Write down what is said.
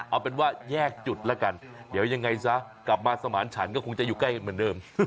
เอาเป็นว่าแยกจุดแล้วกันเดี๋ยวยังไงซะกลับมาสมานฉันก็คงจะอยู่ใกล้กันเหมือนเดิม